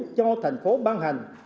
cho thành phố ban hành